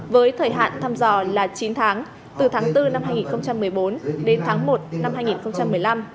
với thời hạn thăm dò là chín tháng từ tháng bốn năm hai nghìn một mươi bốn đến tháng một năm hai nghìn một mươi năm